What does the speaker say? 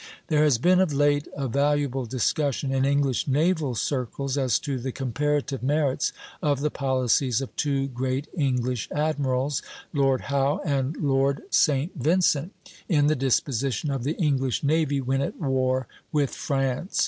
There has been of late a valuable discussion in English naval circles as to the comparative merits of the policies of two great English admirals, Lord Howe and Lord St. Vincent, in the disposition of the English navy when at war with France.